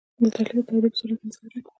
د تعلیق د دورې په صورت کې انتظار وي.